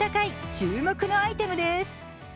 注目のアイテムです。